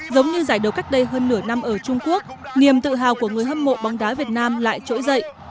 giống như giải đấu cách đây hơn nửa năm ở trung quốc niềm tự hào của người hâm mộ bóng đá việt nam lại trỗi dậy